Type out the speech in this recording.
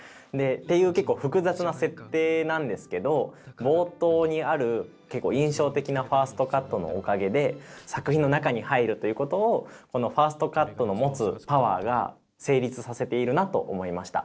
っていう結構複雑な設定なんですけど冒頭にある結構印象的なファーストカットのおかげで作品の中に入るということをこのファーストカットの持つパワーが成立させているなと思いました。